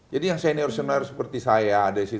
jadi yang senior senior seperti saya desi